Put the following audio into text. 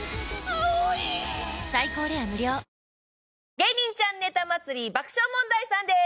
『芸人ちゃんネタ祭り』爆笑問題さんです。